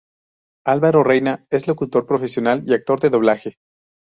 Álvaro Reina es locutor profesional y actor de doblaje.